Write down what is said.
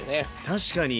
確かに！